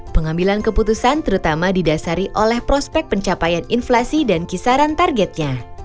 pengambilan keputusan terutama didasari oleh prospek pencapaian inflasi dan kisaran targetnya